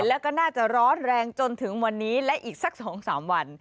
แล้วก็น่าจะร้อนแรงจนถึงวันนี้และอีกสัก๒๓วัน